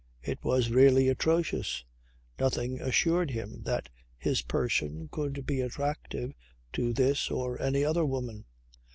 It was really atrocious. Nothing assured him that his person could be attractive to this or any other woman.